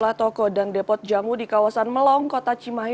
salah toko dan depot jamu di kawasan melong kota cimahi